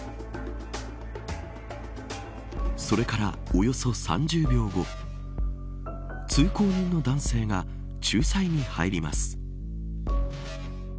それからおよそ３０秒後通行人の男性が仲裁に入ります。